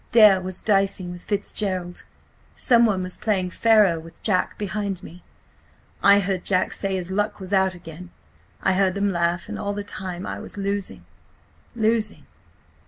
Dare was dicing with Fitzgerald; someone was playing faro with Jack behind me. I heard Jack say his luck was out again–I heard them laugh. ... And all the time I was losing. .. losing.